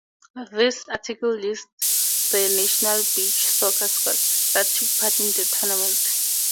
This article lists the national beach soccer squads that took part in the tournament.